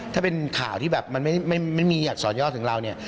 ถ้าเป็นข่าวที่แบบมันไม่มีอักษรยอดถึงเราเนี่ย